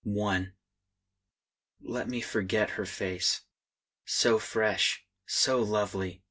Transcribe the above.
I. Let me forget her face! So fresh, so lovely!